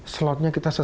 slotnya kita sesuai